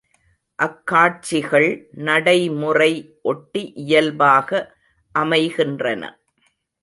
அக்காட்சிகள் நடைமுறை ஒட்டி இயல்பாக அமைகின்றன.